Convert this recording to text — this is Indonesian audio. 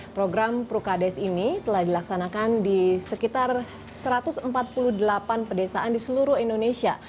program prukades ini telah dilaksanakan di sekitar satu ratus empat puluh delapan pedesaan di seluruh indonesia